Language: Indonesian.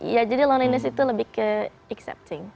ya jadi loneliness itu lebih ke accepting